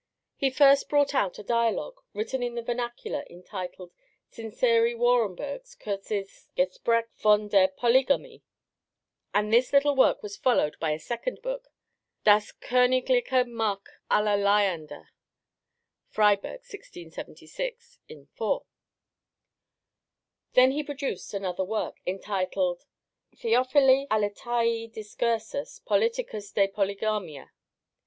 He first brought out a dialogue written in the vernacular entitled Sinceri Wahrenbergs kurzes Gespraech von der Polygamie; and this little work was followed by a second book, Das Koenigliche Marck aller Laender (Freyburg, 1676, in 4). Then he produced another work, entitled Theophili Aletaei discursus politicus de Polygamia.